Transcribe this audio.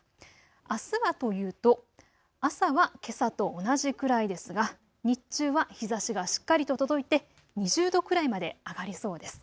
あすはというと朝はけさと同じくらいですが日中は日ざしがしっかりと届いて２０度くらいまで上がりそうです。